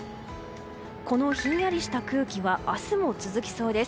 このひんやりした空気は明日も続きそうです。